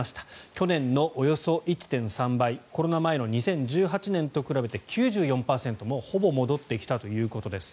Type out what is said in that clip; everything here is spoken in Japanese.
去年のおよそ１．３倍コロナ前の２０１８年と比べて９４％もうほぼ戻ってきたということです。